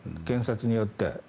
検察によって。